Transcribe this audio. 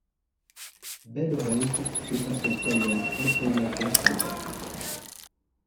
Belle-Rose jeta son poignard ensanglanté sur le tapis.